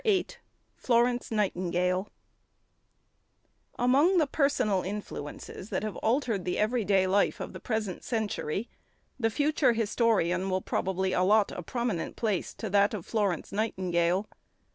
VIII FLORENCE NIGHTINGALE AMONG the personal influences that have altered the everyday life of the present century, the future historian will probably allot a prominent place to that of Florence Nightingale.